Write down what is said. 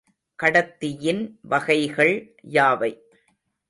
கடத்தியின் வகைகள் யாவை?